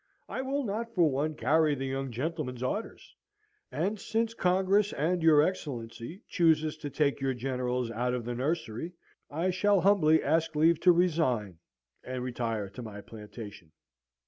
'I will not, for one, carry the young gentleman's orders; and since Congress and your Excellency chooses to take your generals out of the nursery, I shall humbly ask leave to resign, and retire to my plantation.'